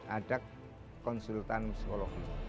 ada konsultan psikologi